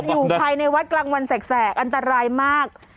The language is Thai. อยู่ภายในวัดกลางวันแสกอันตรายมาก